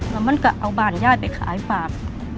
แล้วมันก็เอาบ้านย่าไปขายฝาก